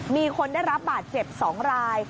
มีคนได้รับบาดเจ็บ๒ราย